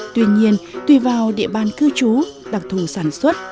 tuy nhiên tùy vào địa bàn cư trú đặc thù sản xuất